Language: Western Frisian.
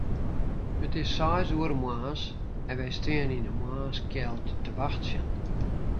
It is seis oere moarns en wy steane yn 'e moarnskjeld te wachtsjen.